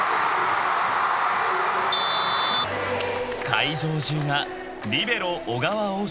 ［会場中がリベロ小川を祝福］